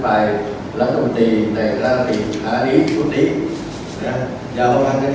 พี่ไบล์มีปัญหาในการทำงาน